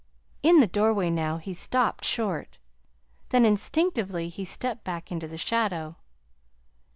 In the doorway now he stopped short; then instinctively he stepped back into the shadow.